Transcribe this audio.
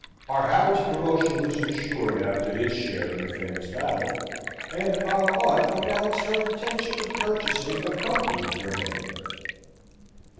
Our Harry's promotion was insured after his share in the famous battle, and our aunt announced her intention of purchasing a company for him.